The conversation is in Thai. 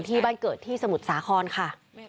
ที่บ้านเกิดที่สมุทรสาครค่ะ